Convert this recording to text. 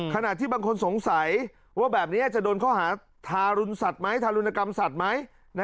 ขนาดที่บางคนสงสัยว่าแบบนี้อาจจะโดนเขาหาทารุณกรรมสัตว์ไหม